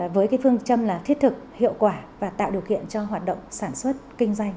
với phương châm là thiết thực hiệu quả và tạo điều kiện cho hoạt động sản xuất kinh doanh